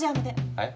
えっ？